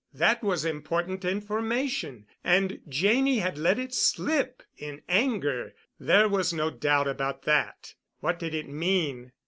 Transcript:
That was important information—and Janney had let it slip in anger—there was no doubt about that. What did it mean?